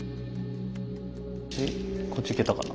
でこっち行けたかな？